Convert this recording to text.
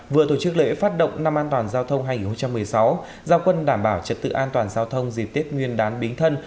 vừa tổ chức lễ phát động năm an toàn giao thông hai nghìn một mươi sáu giao quân đảm bảo trật tự an toàn giao thông dịp tết nguyên đán bính thân